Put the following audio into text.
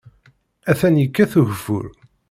Atan yekkat ugeffur.